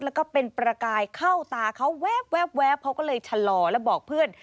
แล้วก็เป็นประกายเข้าตาเขาแว๊บเขาก็เลยชะลอแล้วบอกเพื่อน